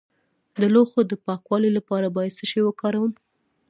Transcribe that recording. د لوښو د پاکوالي لپاره باید څه شی وکاروم؟